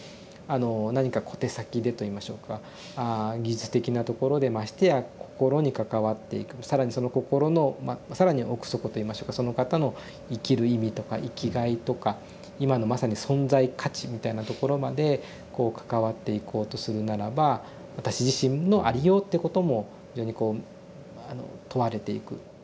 何か小手先でといいましょうか技術的なところでましてや心に関わっていく更にその心の更に奥底といいましょうかその方の生きる意味とか生きがいとか今のまさに存在価値みたいなところまでこう関わっていこうとするならば私自身のありようってことも非常にこうあの問われていく。